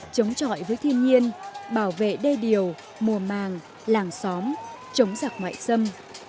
chống chọi với thiên nhiên bảo vệ đê điều mùa màng làng xóm chống giặc ngoại xâm